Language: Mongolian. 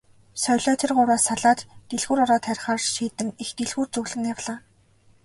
Соёлоо тэр гурваас салаад дэлгүүр ороод харихаар шийдэн их дэлгүүр зүглэн явлаа.